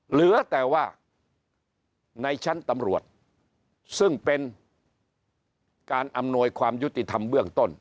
เหลือแต่ว่าในชั้นตำรวจซึ่งเป็นการอำนวยความยุติธรรมเบื้องต้น